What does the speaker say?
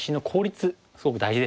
すごく大事ですよね。